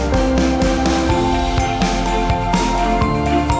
hãy nhấn đăng ký kênh